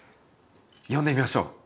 呼んでみましょう。